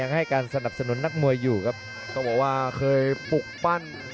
ให้การสนับสนุนนักมวยอยู่ครับต้องบอกว่าเคยปลุกปั้น